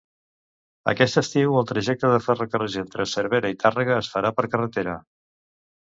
Aquest estiu el trajecte de ferrocarrils entre Cervera i Tàrrega es farà per carretera.